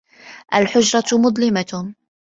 الْحُجْرَةُ مُظْلِمَةٌ.